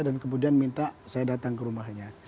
dan kemudian minta saya datang ke rumahnya